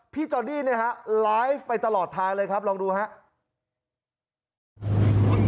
พี่จอนี่นะครับไลฟ์ไปตลอดทางเลยครับลองดูครับ